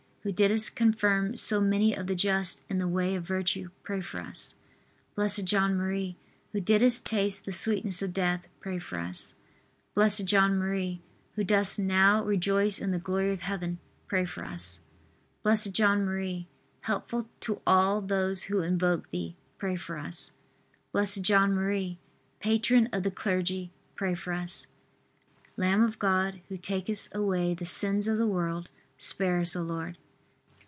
who didst confirm so many of the just in the way of virtue, pray for us. B. J. M., who didst taste the sweetness of death, pray for us. B. J. M., who dost now rejoice in the glory of Heaven, pray for us. B. J. M., helpful to all those who invoke thee, pray for us. B. J. M., patron of the clergy, pray for us. Lamb of God, who takest away the sins of the world, Spare us, O Lord.